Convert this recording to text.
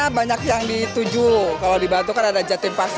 karena banyak yang dituju kalau di batu kan ada jatim pas satu dua tiga